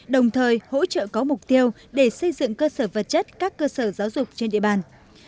đồng thời hỗ trợ có mục tiêu để xây dựng cơ sở vật chất các cơ sở giáo dục trên địa bàn